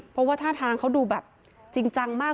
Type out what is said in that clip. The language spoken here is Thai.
เพราะว่าท่าทางเขาดูแบบจริงจังมาก